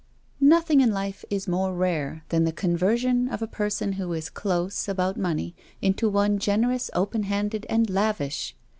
Nothing in life is more rare than the conver sion of a person who is close " about money into one generous, open handed and lavish.